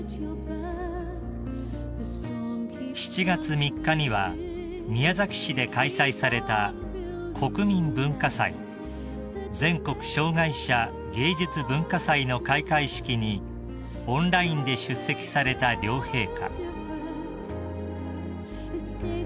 ［７月３日には宮崎市で開催された国民文化祭全国障害者芸術・文化祭の開会式にオンラインで出席された両陛下］